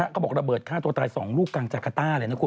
เขาบอกระเบิดฆ่าตัวตาย๒ลูกกลางจากาต้าเลยนะคุณ